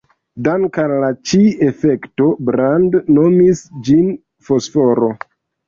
Dank'al al ĉi-efekto, Brand nomis ĝin fosforo.